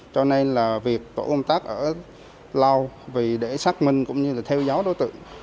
cho nên là việc tổ công tác ở lao để xác minh cũng như là theo dấu đối tượng